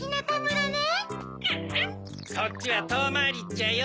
そっちはとおまわりっちゃよ。